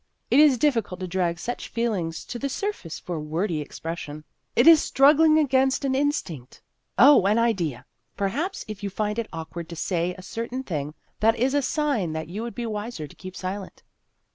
It is difficult to drag such feelings to the surface for wordy expression. It is struggling against an instinct. Oh, an idea ! perhaps, if you find it awkward to say a certain thing, The Ghost of Her Senior Year 225 that is a sign that you would be wiser to keep silent."